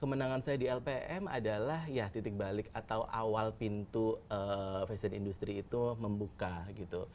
kemenangan saya di lpm adalah ya titik balik atau awal pintu fashion industry itu membuka gitu